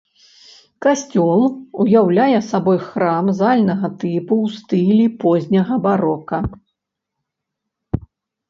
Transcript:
Касцёл уяўляе сабой храм зальнага тыпу ў стылі позняга барока.